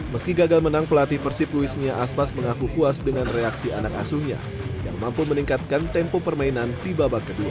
meski gagal menang pelatih persib luis mia aspas mengaku puas dengan reaksi anak asuhnya yang mampu meningkatkan tempo permainan di babak kedua